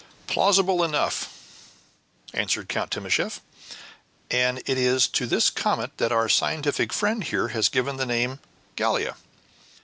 "Plausible enough," answered Count Timascheff; "and it is to this comet that our scientific friend here has given the name of Gallia."